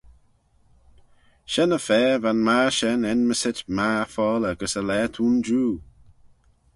Shen-y-fa va'n magher shen enmyssit magher foalley gys y laa t'ayn jiu.